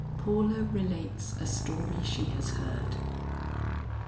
PAULA RELATES A STORY SHE HAS HEARD.